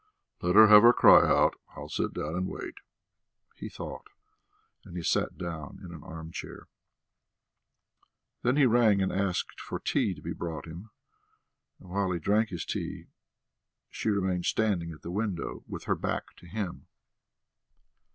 "Let her have her cry out. I'll sit down and wait," he thought, and he sat down in an arm chair. Then he rang and asked for tea to be brought him, and while he drank his tea she remained standing at the window with her back to him.